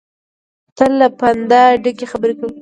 تل له پنده ډکې خبرې کوي.